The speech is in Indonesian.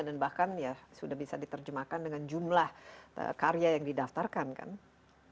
dan bahkan ya sudah bisa diterjemahkan dengan jumlah karya yang diberikan oleh sdm